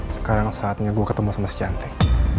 sekarang saatnya gue ketemu sama si cantik